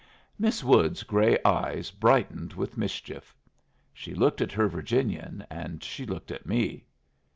Miss Wood's gray eyes brightened with mischief. She looked at her Virginian, and she looked at me.